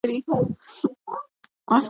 تودوخه د ټولو افغان ښځو په ژوند کې رول لري.